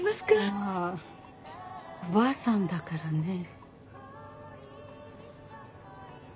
まぁおばあさんだからねぇ。